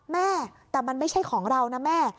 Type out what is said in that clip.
แม่แต่มันไม่ใช่ของเรานะแม่